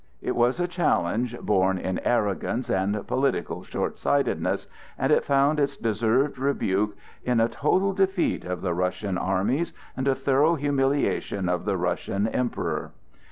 It was a challenge born in arrogance and political short sightedness, and it found its deserved rebuke in a total defeat of the Russian armies and a thorough humiliation of the Russian Emperor.